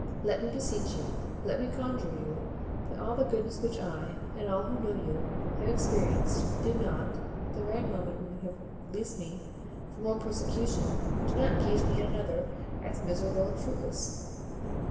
Let me beseech you, let me conjure you, by all the goodness which I, and all who know you, have experienced, do not, the very moment when you have released me from one persecution, do not engage me in another as miserable and as fruitless."